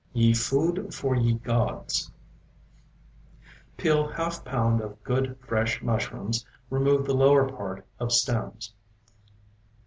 YE FOOD FOR YE GODS Peel half pound of good, fresh mushrooms; remove the lower part of stems.